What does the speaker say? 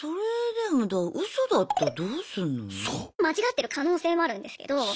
それでも間違ってる可能性もあるんですけど。